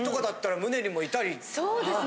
そうですね。